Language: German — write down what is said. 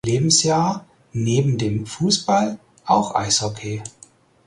Lebensjahr neben dem Fußball auch Eishockey.